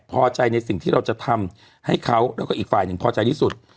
พอใจในสิ่งที่เราจะทำให้เขาแล้วก็อีกฝ่ายหนึ่งพอใจที่สุด